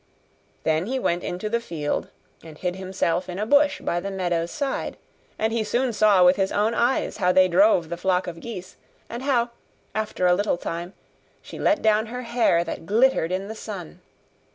Then he went into the field, and hid himself in a bush by the meadow's side; and he soon saw with his own eyes how they drove the flock of geese; and how, after a little time, she let down her hair that glittered in the sun.